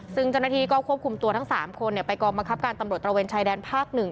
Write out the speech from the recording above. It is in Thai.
ซึ่งเจ้าหน้าที่ก็ควบคุมตัวทั้งสามคนเนี้ยไปกรอบมะครับการตำรวจตระเวนชายแดนภาคหนึ่ง